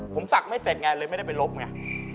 ผมศักดิ์ไม่เสร็จไงเลยไม่ได้ไปลบไง